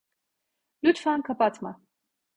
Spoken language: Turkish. Lütfen kapatma.